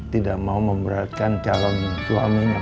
tidak mau memberatkan calon suaminya